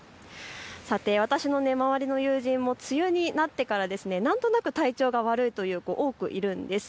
さて私の周りの友人も梅雨になってから何となく体調が悪いという子が多くいるんです。